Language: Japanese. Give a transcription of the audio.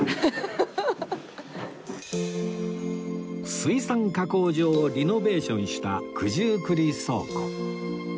水産加工場をリノベーションした九十九里倉庫